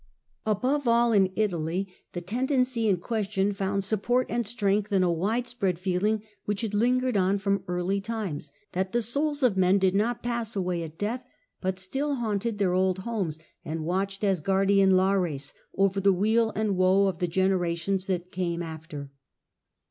Above all, in Italy the tendency in question found support and strength in a widespread feeling which had lingered on from early times, that the souls 4. The of men did not pass away at death, but still of th?' haunted their old homes, and watched as i^ares guardian Lares over the weal and woe of the generations that came after.